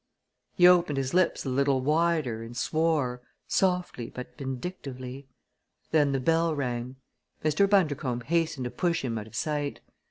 He opened his lips a little wider and swore, softly but vindictively. Then the bell rang. Mr. Bundercombe hastened to push him out of sight.